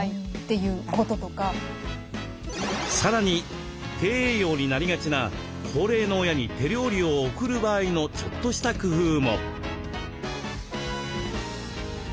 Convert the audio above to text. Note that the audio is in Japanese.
さらに低栄養になりがちな高齢の親に手料理を送る場合のちょっとした工夫も。